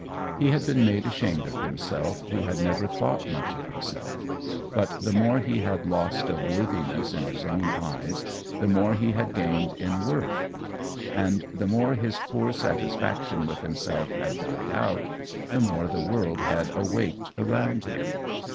He had been made ashamed of himself who had never thought much of himself, but the more he had lost of worthiness in his own eyes the more he had gained in worth. And the more his poor satisfaction with himself had died out, the more the world had awaked around him.